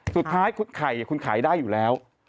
สุดท้ายไข่คุณขายได้อยู่แล้ว